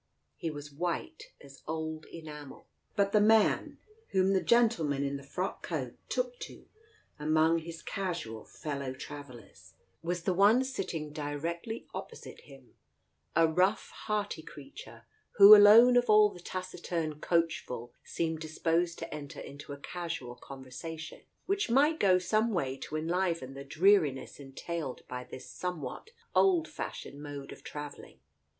He was white as old enamel. But the man whom the gentleman in the frock coat took to among his casual fellow travellers was the Digitized by Google THE COACH 135 one sitting directly opposite him, a rough, hearty crea ture, who alone of all the taciturn coachful seemed dis posed to enter into a casual conversation, which might go some way to enliven the dreariness entailed by this somewhat old fashioned mode of travelling.